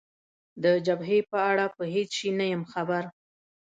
د جبهې په اړه په هېڅ شي نه یم خبر.